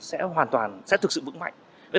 sẽ hoàn toàn sẽ thực sự vững mạnh